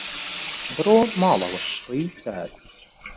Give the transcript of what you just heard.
بڕۆ ماڵەوە، ڕیچارد.